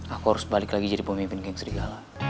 aku harus balik lagi jadi pemimpin game serigala